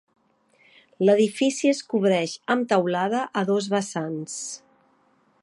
L'edifici es cobreix amb teulada a dos vessants.